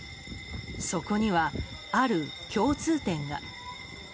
そこには、ある共通点が。